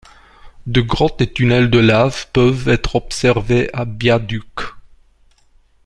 Des grottes et tunnels de lave peuvent être observés à Byaduk.